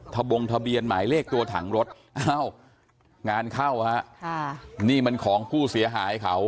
บงทะเบียนหมายเลขตัวถังรถอ้าวงานเข้าฮะนี่มันของผู้เสียหายเขา